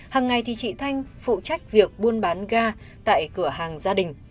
hằng ngày thì chị thanh phụ trách việc buôn bán ga tại cửa hàng gia đình